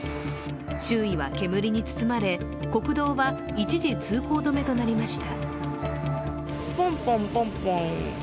周囲は煙に包まれ国道は一時、通行止めとなりました。